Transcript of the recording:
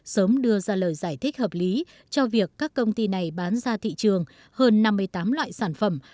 sớm đưa ra lời giải thích hợp lý cho việc các công ty này bán ra thị trường hơn năm mươi tám loại sản phẩm